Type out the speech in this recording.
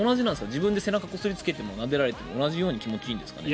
自分で背中をこすりつけても同じように気持ちいいんですかね？